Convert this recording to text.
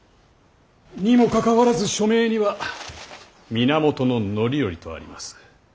にもかかわらず署名には源範頼とあります。